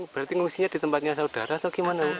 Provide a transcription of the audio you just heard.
berarti ngungsinya di tempatnya saudara atau gimana